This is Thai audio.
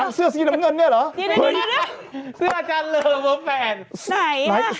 อ๋อนี่ไง